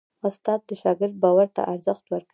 استاد د شاګرد باور ته ارزښت ورکوي.